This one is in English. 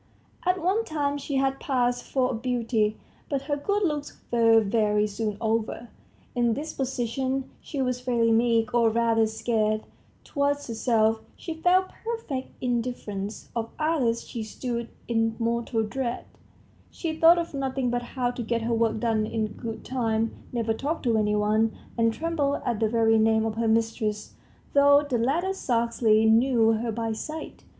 At one time she had passed for a beauty, but her good looks were very soon over. In disposition, she was very meek, or, rather, scared; towards herself, she felt perfect indifference; of others, she stood in mortal dread; she thought of nothing but how to get her work done in good time, never talked to any one, and trembled at the very name of her mistress, though the latter scarcely knew her by sight.